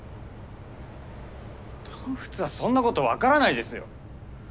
動物はそんなこと分からないですよ。